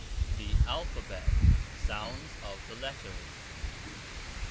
THE ALPHABET. SOUNDS OF THE LETTERS.